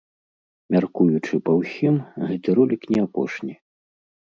Мяркуючы па ўсім, гэты ролік не апошні.